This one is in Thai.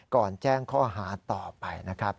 แจ้งข้อหาต่อไปนะครับ